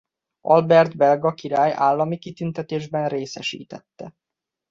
Albert belga király állami kitüntetésben részesítette.